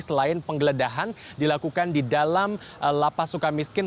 selain penggeledahan dilakukan di dalam lapas suka miskin